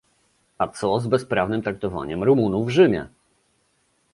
A co z bezprawnym traktowaniem Rumunów w Rzymie?